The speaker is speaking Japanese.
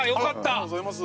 ありがとうございます。